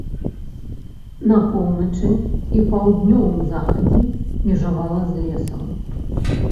На поўначы і паўднёвым захадзе межавала з лесам.